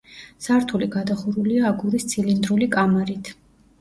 სართული გადახურულია აგურის ცილინდრული კამარით.